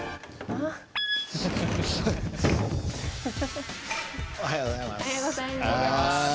おはようございます。